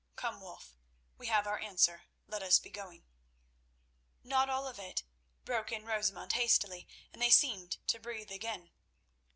Come, Wulf, we have our answer; let us be going." "Not all of it," broke in Rosamund hastily, and they seemed to breathe again.